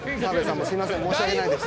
申し訳ないです。